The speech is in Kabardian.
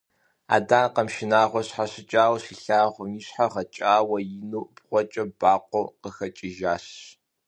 Адакъэм шынагъуэр щхьэщыкӀауэ щилъагъум, и щхьэр гъэкӀауэ, ину бгъукӀэ бакъуэу къыхэкӀыжащ.